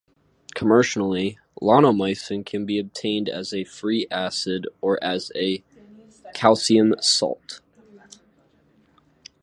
Commercially, Ionomycin can be obtained as a free acid, or as a Ca salt.